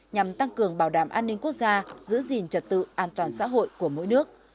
nhằm tăng cường bảo đảm an ninh quốc gia giữ gìn trật tự an toàn xã hội của mỗi nước